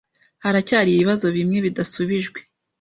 Haracyari ibibazo bimwe bidasubijwe.